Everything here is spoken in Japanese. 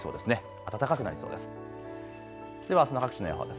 暖かくなりそうです。